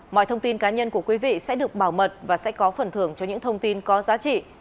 mọi thông tin cá nhân của quý vị sẽ được bảo mật và sẽ có phần thưởng cho những thông tin có giá trị